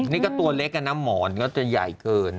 นี่ก็ตัวเล็กนะหมอนก็จะใหญ่เกิน